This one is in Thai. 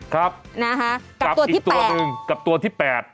กับตัวที่๘